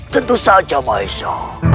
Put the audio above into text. tentu saja maisa